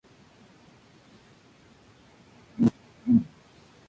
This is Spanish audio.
Al no conseguir tal objetivo el club decide venderlo al Peñarroya.